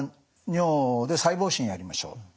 尿で細胞診やりましょう」。